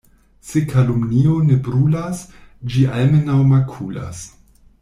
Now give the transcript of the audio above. Se kalumnio ne brulas, ĝi almenaŭ makulas.